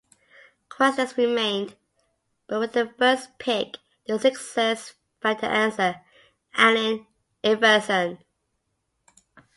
Questions remained, but with the first pick, the Sixers found their "Answer": Allen Iverson.